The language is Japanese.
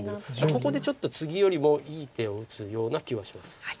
ここでちょっとツギよりもいい手を打つような気はします。